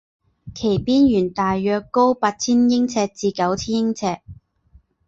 其边缘大约高八千英尺至九千英尺。